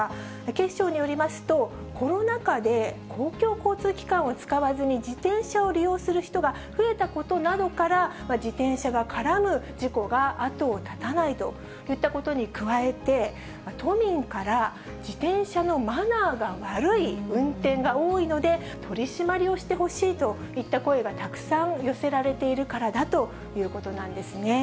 警視庁によりますと、コロナ禍で公共交通機関を使わずに、自転車を利用する人が増えたことなどから、自転車が絡む事故が後を絶たないといったことに加えて、都民から、自転車のマナーが悪い運転が多いので、取締りをしてほしいといった声がたくさん寄せられているからだということなんですね。